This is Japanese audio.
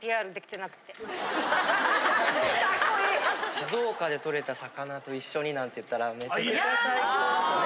静岡で獲れた魚と一緒になんていったらめちゃくちゃ最高ですね。